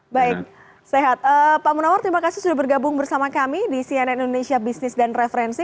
baik sehat pak munawar terima kasih sudah bergabung bersama kami di cnn indonesia business dan referensi